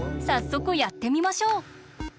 さっそくやってみましょう！